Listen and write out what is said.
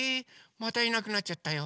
⁉またいなくなっちゃったよ。